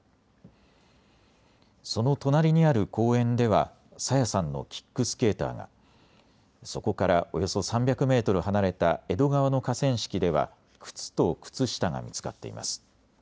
その隣にある公園では朝芽さんのキックスケーターが、そこからおよそ３００メートル離れた江戸川の河川敷では靴と靴下が見つかっています。